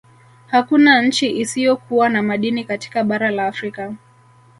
Hakuna nchi isiyo kuwa na madini katika bara la Afrika